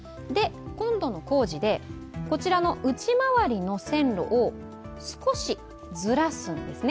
今度の工事で内回りの線路を少しずらすんですね。